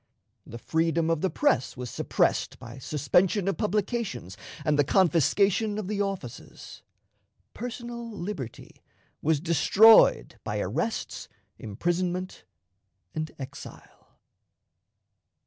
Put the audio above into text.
The freedom of the press was suppressed by suspension of publications and the confiscation of the offices. Personal liberty was destroyed by arrests, imprisonment, and exile.